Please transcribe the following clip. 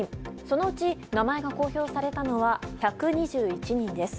そのうち名前が公表されたのは１２１人です。